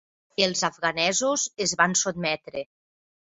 Els afganesos es van sotmetre.